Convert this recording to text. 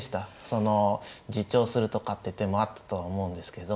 その自重するとかって手もあったとは思うんですけど。